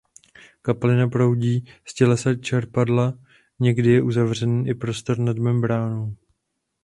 Kapalina proudí z tělesa čerpadla. Někdy je uzavřený i prostor nad membránou.